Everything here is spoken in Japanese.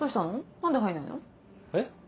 何で入んないの？え？